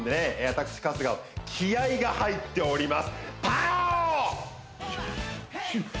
私春日は気合いが入っておりますパオ！